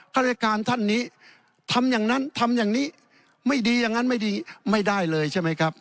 ราชการท่านนี้ทำอย่างนั้นทำอย่างนี้ไม่ดีอย่างนั้นไม่ดีไม่ได้เลยใช่ไหมครับ